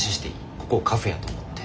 ここをカフェやと思って。